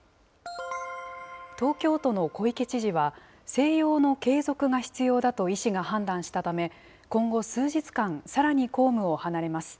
東京都の小池知事は、静養の継続が必要だと医師が判断したため、今後、数日間、さらに公務を離れます。